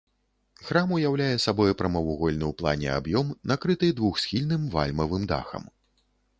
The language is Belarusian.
Храм уяўляе сабой прамавугольны ў плане аб'ём, накрыты двухсхільным вальмавым дахам.